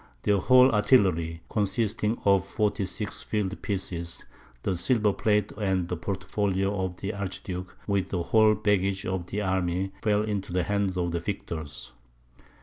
Their whole artillery, consisting of 46 field pieces, the silver plate and portfolio of the archduke, with the whole baggage of the army, fell into the hands of the victors.